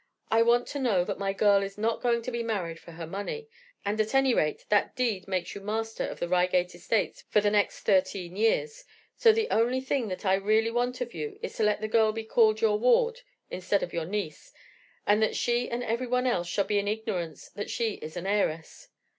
I want to know that my girl is not going to be married for her money; and, at any rate, that deed makes you master of the Reigate estates for the next thirteen years; so the only thing that I really want of you is to let the girl be called your ward instead of your niece, and that she and everyone else shall be in ignorance that she is an heiress.